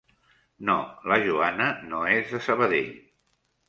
No, la Joana no és de Sabadell.